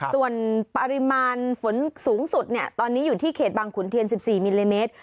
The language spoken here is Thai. ส่วนปริมาณฝนสูงสุดตอนนี้อยู่ที่เขตบางขุนเทียน๑๔มิลลิเมตร